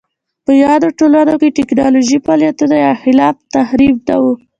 په یادو ټولنو کې ټکنالوژیکي بدلونونه یا خلاق تخریب نه و